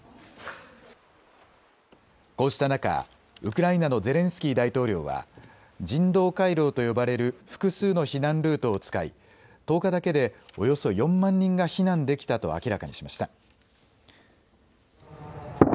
こうした中、ウクライナのゼレンスキー大統領は人道回廊と呼ばれる複数の避難ルートを使い１０日だけでおよそ４万人が避難できたと明らかにしました。